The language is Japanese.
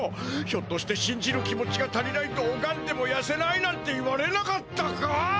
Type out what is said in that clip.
ひょっとして「しんじる気持ちが足りないとおがんでもやせない」なんて言われなかったか？